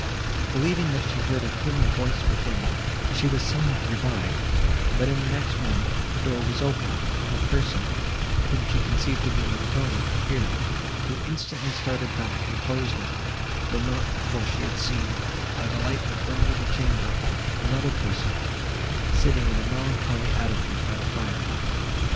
Believing, that she heard a human voice within, she was somewhat revived; but, in the next moment, the door was opened, and a person, whom she conceived to be Montoni, appeared, who instantly started back, and closed it, though not before she had seen, by the light that burned in the chamber, another person, sitting in a melancholy attitude by the fire.